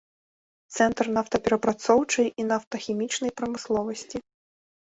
Цэнтр нафтаперапрацоўчай і нафтахімічнай прамысловасці.